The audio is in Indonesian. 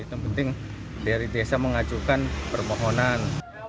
yang penting dari desa mengajukan permohonan